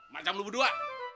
macam lo berdua